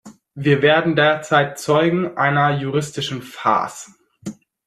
Wir werden derzeit Zeugen einer juristischen Farce.